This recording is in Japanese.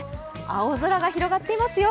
青空が広がっていますよ。